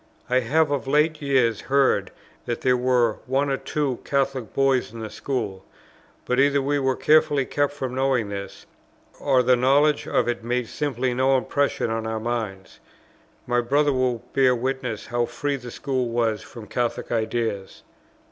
I have of late years heard that there were one or two Catholic boys in the school; but either we were carefully kept from knowing this, or the knowledge of it made simply no impression on our minds. My brother will bear witness how free the school was from Catholic ideas.